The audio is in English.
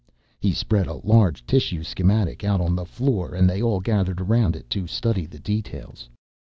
He spread a large tissue schematic out on the floor and they all gathered around it to study the details.